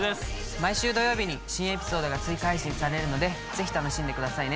毎週土曜日に新エピソードが追加配信されるのでぜひ楽しんでくださいね。